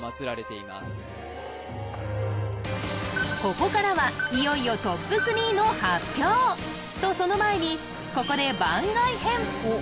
ここからはいよいよトップ３の発表とその前にここで番外編